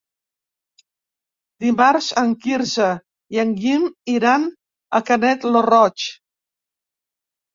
Dimarts en Quirze i en Guim iran a Canet lo Roig.